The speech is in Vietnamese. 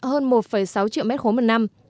hơn một sáu triệu m ba một năm